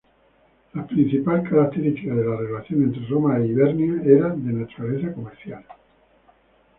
La principal característica de la relación entre Roma y Hibernia era de naturaleza comercial.